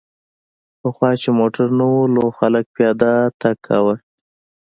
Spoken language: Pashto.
پخوا چې موټر نه و نو خلک پیاده تګ کاوه